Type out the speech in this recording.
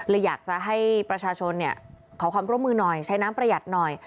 อยากจะให้ประชาชนขอความร่วมมือหน่อยใช้น้ำประหยัดหน่อย